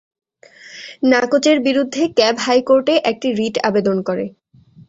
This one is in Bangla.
নাকচের বিরুদ্ধে ক্যাব হাইকোর্টে একটি রিট আবেদন করে।